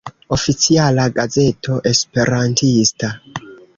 Oficiala Gazeto Esperantista.